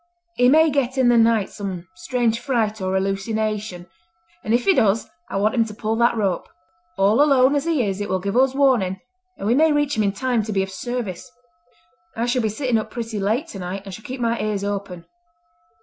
He may get in the night some strange fright or hallucination; and if he does I want him to pull that rope. All alone as he is it will give us warning, and we may reach him in time to be of service. I shall be sitting up pretty late tonight and shall keep my ears open.